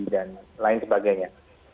dan lain sebagainya